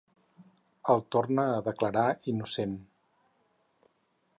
El torna a declarar innocent.